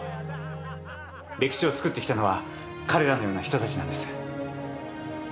歴史をつくってきたのは彼らのような人たちなんです。